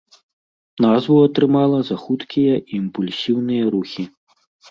Назву атрымала за хуткія і імпульсіўныя рухі.